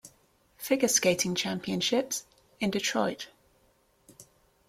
Figure Skating Championships in Detroit.